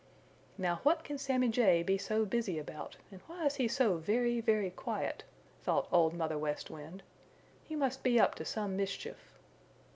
"Now what can Sammy Jay be so busy about, and why is he so very, very quiet?" thought Old Mother West Wind. "He must be up to some mischief."